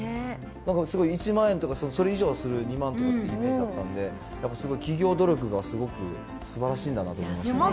なんかすごい１万円とか、それ以上する２万とかっていうイメージだったんで、やっぱりすごい企業努力がすごくすばらしいんだなと思いました。